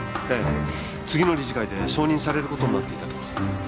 ええ次の理事会で承認される事になっていたと。